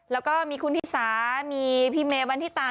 แล้วก็มีคุณธิสามีพี่เมันทิตา